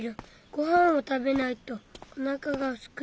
ご飯をたべないとおなかがすく。